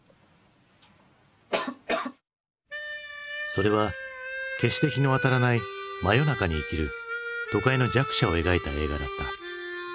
それは決して日の当たらない真夜中に生きる都会の弱者を描いた映画だった。